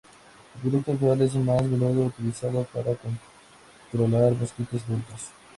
El producto actual es más a menudo utilizado para controlar mosquitos adultos.